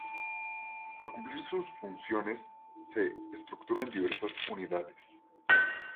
Para cumplir sus funciones se estructura en diversas unidades.